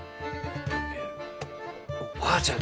いやおばあちゃん